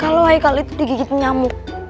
kalau hai kali itu digigit nyamuk